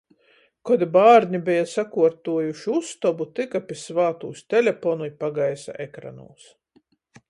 Kod bārni beja sakuortuojuši ustobu, tyka pi svātūs teleponu i pagaisa ekranūs.